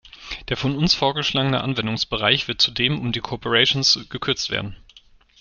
Der von uns vorgeschlagene Anwendungsbereich wird zudem um die cooperations gekürzt werden.